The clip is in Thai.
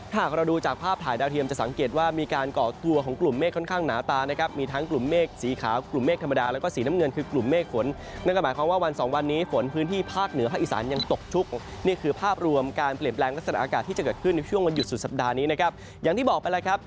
หากเราดูจากภาพถ่ายดาวเทียมจะสังเกตว่ามีการก่อตัวของกลุ่มเมฆค่อนข้างหนาตา